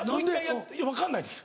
分かんないです。